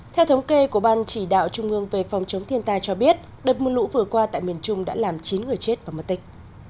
theo thống kê của ban chỉ đạo trung ương về phòng chống thiên tai cho biết đợt mưa lũ vừa qua tại miền trung đã làm chín người chết và mất tích